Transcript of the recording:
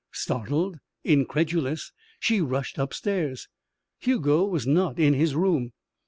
Startled, incredulous, she rushed upstairs. Hugo was not in his room.